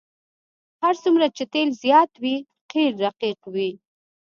هر څومره چې تیل زیات وي قیر رقیق وي